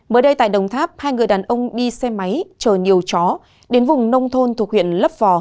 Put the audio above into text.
mới đây tại đồng tháp hai người đàn ông đi xe máy chờ nhiều chó đến vùng nông thôn thuộc huyện lấp vò